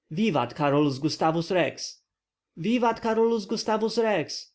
Vivat Carolus Gustavus Rex!" "Vivat Carolus Gustavus Rex!"